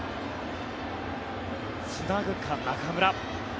つなぐか中村。